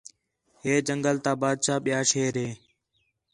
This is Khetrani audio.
ہِے جنگل تا بادشاہ ٻِیا شیر ہِے